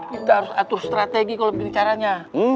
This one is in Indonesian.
kita harus atur strategi kalo begini caranya